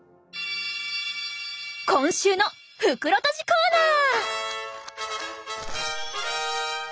今週の袋とじコーナー！